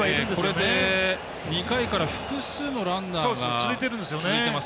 これで、２回から複数のランナーが続いてますね。